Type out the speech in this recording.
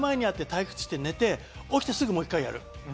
退屈して、寝て、起きてすぐもう１回やる。